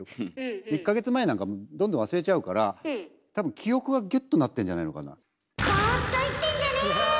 １か月前なんかどんどん忘れちゃうから多分記憶がギュッとなってんじゃないのかな。